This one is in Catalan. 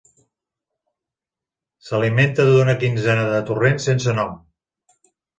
S'alimenta d'una quinzena de torrents sense nom.